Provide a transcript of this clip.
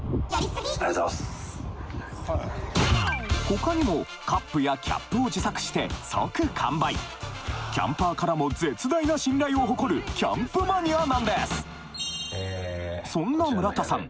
他にもカップやキャップを自作して即完売キャンパーからも絶大な信頼を誇るキャンプマニアなんですそんな村田さん